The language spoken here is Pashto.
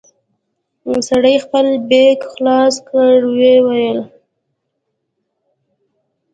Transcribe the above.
سړي خپل بېګ خلاص کړ ويې ويل.